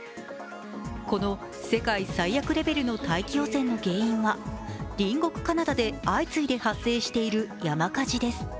この世界最悪レベルの大気汚染の理由は隣国カナダで相次いで発生している山火事です。